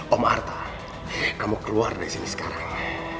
om artha kamu keluar dari sini sekarang